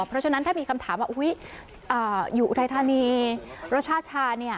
เพราะฉะนั้นถ้ามีคำถามว่าอยู่อุทัยธานีรสชาติชาเนี่ย